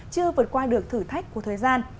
chưa vượt qua được thử thách của thời gian